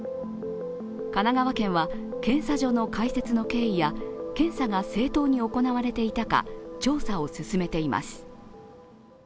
神奈川県は、検査所の開設の経緯や検査が正当に行われていたか、調査を進めています。